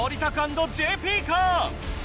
＆ＪＰか？